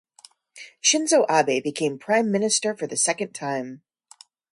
Shinzo Abe became Prime Minister for the second time.